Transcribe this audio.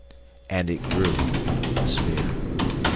And it grew—the sphere.